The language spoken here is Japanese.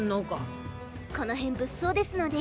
この辺物騒ですので。